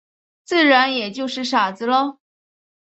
自然也就是傻子了。